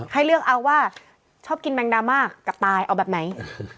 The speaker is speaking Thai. ให้เลือกเอาว่าชอบกินแมงดาม่ากับตายเอาแบบไหน